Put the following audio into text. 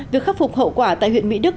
việc khắc phục hậu quả tại huyện mỹ đức